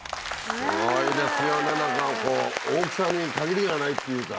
すごいですよね、なんか大きさに限りがないっていうか。